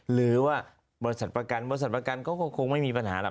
หรือว่าบริษัทประกันบริษัทประกันเขาก็คงไม่มีปัญหาหรอก